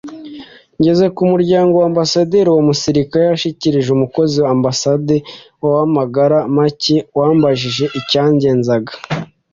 ngeze ku muryango wa ambasade uwo musirikare yanshyikirije umukozi wa amabasade w’amagara make wambajije icyangenzaga